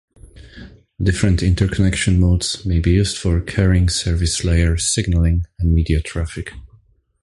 Different interconnection modes may be used for carrying service layer signalling and media traffic.